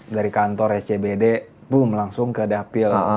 dari kantor scbd boom langsung ke dapil